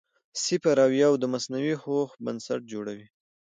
صفر او یو د مصنوعي هوښ بنسټ جوړوي.